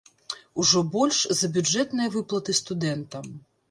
Ужо больш за бюджэтныя выплаты студэнтам.